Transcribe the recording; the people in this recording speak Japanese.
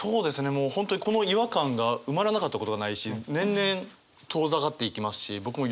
もう本当にこの違和感が埋まらなかったことがないし年々遠ざかっていきますし僕も４２あっもう４３だ。